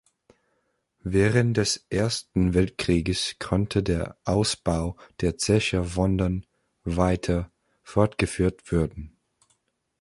Während des Ersten Weltkrieges konnte der Ausbau der Zeche Vondern weiter fortgeführt wurden.